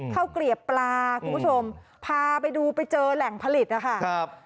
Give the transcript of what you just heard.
เข้ากรีบปลาคุณผู้ชมพาไปดูไปเจอแหล่งผลิตค่ะ